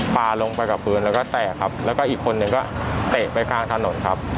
ปลาลงไปกับพื้นแล้วก็แตกครับแล้วก็อีกคนนึงก็เตะไปข้างถนนครับ